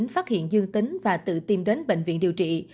phát hiện dương tính và tự tìm đến bệnh viện điều trị